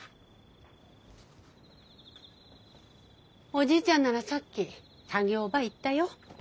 おじいちゃんならさっき作業場行ったよ。